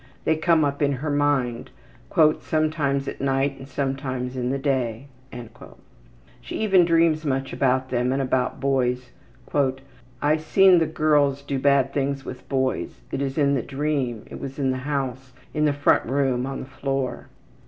They come up in her mind, ``sometimes at night and sometimes in the day.'' She even dreams much about them and about boys. ``I seen the girls do bad things with boys. It is in the dream, it was in the house, in the front room on the floor.''